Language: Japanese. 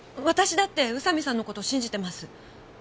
私だって宇佐見さんの事信じてます。